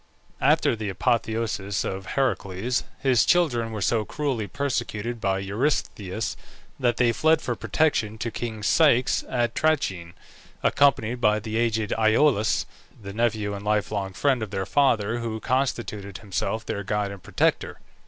After the apotheosis of Heracles, his children were so cruelly persecuted by Eurystheus, that they fled for protection to king Ceyx at Trachin, accompanied by the aged Iolaus, the nephew and life long friend of their father, who constituted himself their guide and protector.